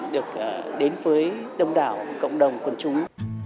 được đến với đông đảo cộng đồng quân chúng